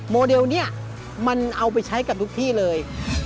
โมเดลเนี่ยมันเอาไปใช้กับทุกที่เลย